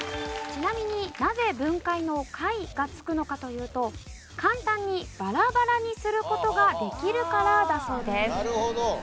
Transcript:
ちなみになぜ分解の「解」が付くのかというと簡単にバラバラにする事ができるからだそうです。